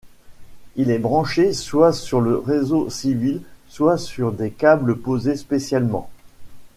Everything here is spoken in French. Il est branché soit sur le réseau civil, soit sur des câbles posés spécialement.